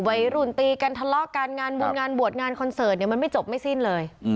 หลุนตีการทะเลาะการงานบุญงานบวชงานคอนเสิร์ตมันไม่จบไม่สิ้นเลย